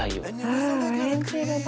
うんオレンジ色だ。